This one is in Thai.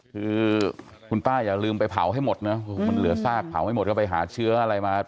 คือคุณป้าอย่าลืมไปเผาให้หมดนะมันเหลือซากเผาให้หมดแล้วไปหาเชื้ออะไรมา